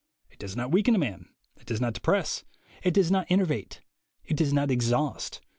It does not weaken a man. It does not depress. It does not enervate. It does not exhaust.